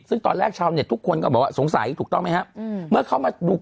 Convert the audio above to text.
ซึ่งตอนแรกชาวเนี่ยทุกคนก็บอกว่าสงสัยถูกต้องไหมฮะ